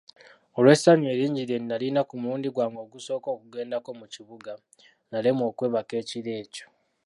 Olw'essanyu eringi lye nalina ku mulundi gwange ogusooka okugendako mu kibuga, nalemwa okwebaka ekiro ekyo.